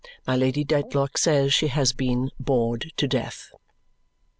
My Lady Dedlock says she has been "bored to death."